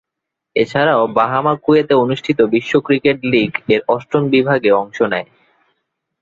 এছারাও বাহামা কুয়েতে অনুষ্ঠিত বিশ্ব ক্রিকেট লীগ-এর অষ্টম বিভাগ-এ অংশ নেয়।